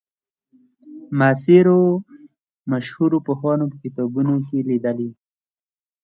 معاصرو مشهورو پوهانو په کتابونو کې لیدلې.